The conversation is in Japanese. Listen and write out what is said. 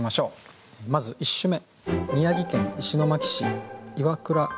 まず１首目。